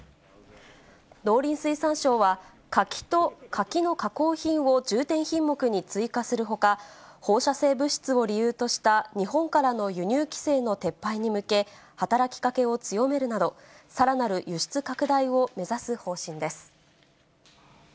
農林水産省は、柿と柿の加工品を重点品目に追加するほか、放射性物質を理由とした日本からの輸入規制の撤廃に向け、働きかけを強めるなど、さらなる輸出拡大を目指す方針です。